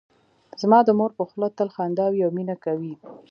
زما د مور په خوله تل خندا وي او مینه کوي